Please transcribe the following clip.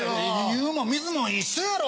湯も水も一緒やろ！